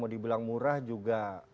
mau dibilang murah juga